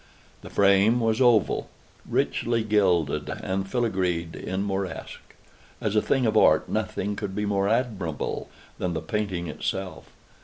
The frame was oval, richly gilded and filigreed in Moresque. As a thing of art nothing could be more admirable than the painting itself.